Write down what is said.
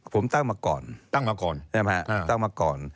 ผมตั้งมาก่อน